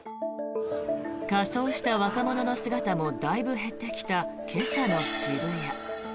仮装した若者の姿もだいぶ減ってきた今朝の渋谷。